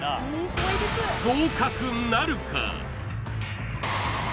合格なるか？